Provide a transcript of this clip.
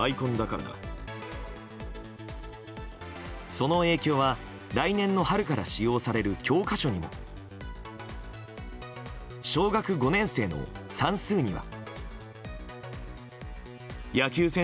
その影響は、来年の春から使用される教科書にも。小学５年生の算数には。